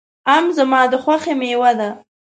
آم زما د خوښې مېوه ده.